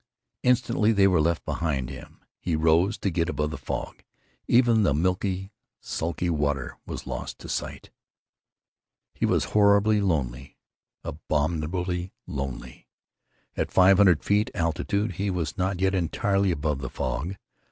Instantly they were left behind him. He rose, to get above the fog. Even the milky, sulky water was lost to sight. He was horribly lonely, abominably lonely. At five hundred feet altitude he was not yet entirely above the fog.